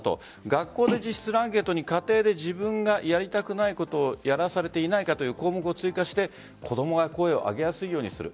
学校でアンケートに家庭で自分がやりたくないことをやらせていないかという項目を追加して子供が声を上げやすいようにする。